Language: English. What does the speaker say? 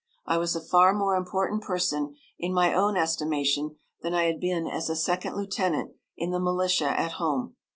I was a far more important person, in my own estimation, than I had been as a second lieutenant in the militia at home.